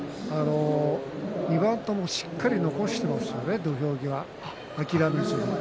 ２番とも土俵際しっかり残していますよね諦めずに。